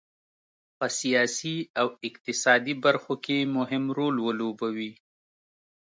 په سیاسي او اقتصادي برخو کې مهم رول ولوبوي.